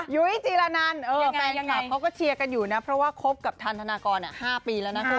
ยุ้ยจีรนันแฟนคลับเขาก็เชียร์กันอยู่นะเพราะว่าคบกับทันธนากร๕ปีแล้วนะคุณ